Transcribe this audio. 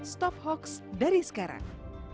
stop hoaks dari sekarang